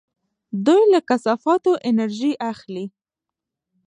دوی له کثافاتو انرژي اخلي.